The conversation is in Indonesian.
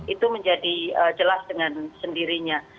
itu menjadi jelas dengan sendirinya